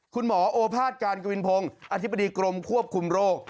โอภาษการกวินพงศ์อธิบดีกรมควบคุมโรค